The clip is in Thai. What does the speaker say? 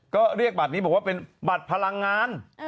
ก็เรียกบัตรนี้บอกว่าเป็นบัตรพลังงาน